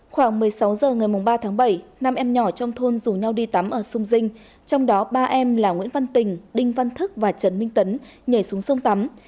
khoảng một mươi sáu h ngày ba tháng bảy năm em nhỏ trong thôn rủ nhau đi tắm ở sông dinh trong đó ba em là nguyễn văn tình đinh văn thức và trần minh tấn nhảy xuống sông tắm